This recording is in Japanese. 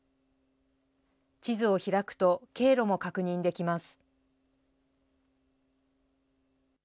地図を開くと経路も確認できます。